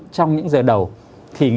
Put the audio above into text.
trong những giờ đầu thì